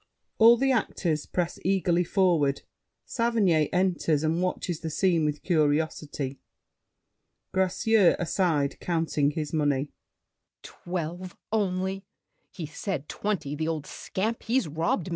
[All the actors press eagerly forward. Saverny enters, and watches the scene with curiosity. GRACIEUX (aside, counting his money). Twelve only! He said twenty. The old scamp! He's robbed me!